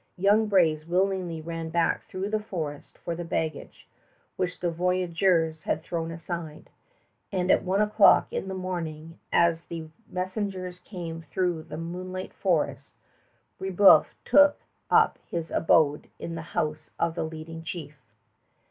Young braves willingly ran back through the forest for the baggage, which the voyageurs had thrown aside; and at one o'clock in the morning, as the messengers came through the moonlit forest, Brébeuf took up his abode in the house of the leading chief.